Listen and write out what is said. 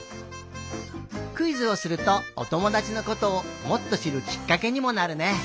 クイズをするとおともだちのことをもっとしるきっかけにもなるね。